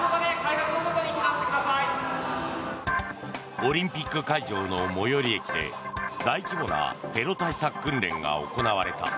オリンピック会場の最寄り駅で大規模なテロ対策訓練が行われた。